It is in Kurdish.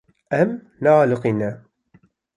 Em nealiqîne.